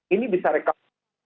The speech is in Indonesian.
ini bisa rekam